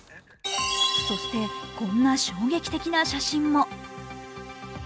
そして、こんな衝撃的な写真も。